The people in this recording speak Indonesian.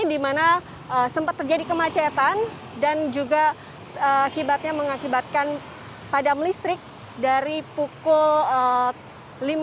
di mana sempat terjadi kemacetan dan juga mengakibatkan padam listrik dari pukul lima belas